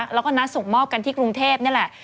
แล้วก็นัดส่งมอบกันที่กรุงเทพนี่แหละ